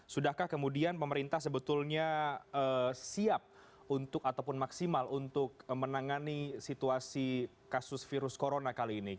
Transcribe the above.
sudahkah kemudian pemerintah sebetulnya siap untuk ataupun maksimal untuk menangani situasi kasus virus corona kali ini